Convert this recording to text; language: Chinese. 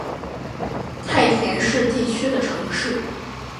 太田市地区的城市。